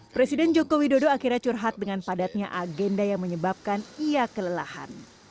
presiden joko widodo akhirnya curhat dengan padatnya agenda yang menyebabkan ia kelelahan